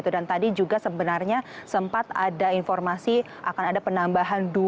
tadi juga sebenarnya sempat ada informasi akan ada penambahan